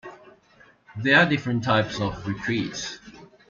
There are different types of retreats.